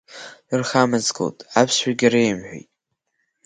Дырхамыҵгылт, аԥсшәагьы реимҳәеит.